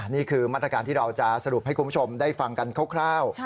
นี่คือมาตรการที่เราจะสรุปให้คุณผู้ชมได้ฟังกันคร่าว